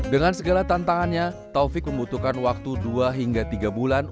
dengan segala tantangannya taufik membutuhkan waktu dua hingga tiga bulan